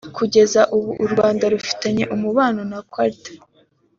Kugeza ubu u Rwanda rufitanye umubano na Qatar